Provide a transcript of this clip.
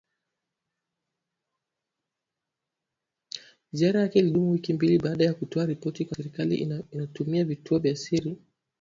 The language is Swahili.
Ziara yake ilidumu wiki mbili baada ya kutoa ripoti kuwa serikali inatumia vituo vya siri vinavyojulikana kama nyumba salama kuwakamata wapinzani na kuwafanya mateka.